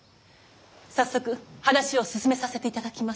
早速話を進めさせていただきます。